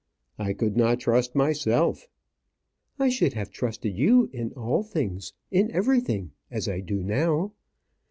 "I could not trust myself." "I should have trusted you in all things, in everything. As I do now."